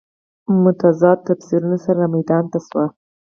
متضادو تفسیرونو سره رامیدان ته شو.